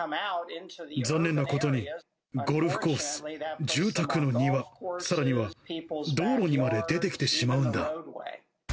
残念なことに、ゴルフコース、住宅の庭、さらには道路にまで出てきてしまうんだ。